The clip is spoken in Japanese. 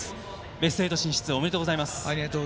ベスト８進出おめでとうございます。